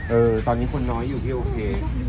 เออตอนนี้คนน้อยอยู่พี่โอเค